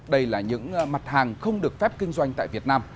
đây là những mặt hàng không được phép kinh doanh tại việt nam